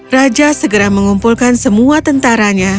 raja segera mengumpulkan semua tentaranya